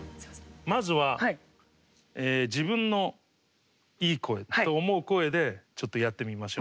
まずは自分のいい声と思う声でちょっとやってみましょう。